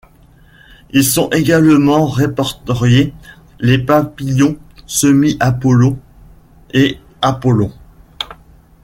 Y sont également répertoriés les papillons semi-apollon et apollon.